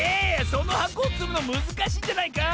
そのはこをつむのむずかしいんじゃないか？